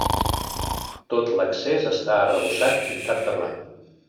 Tot l'accés està arrebossat i pintat de blanc.